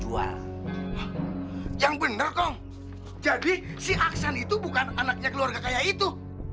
jual yang bener kong jadi si aksan itu bukan anaknya keluarga kaya itu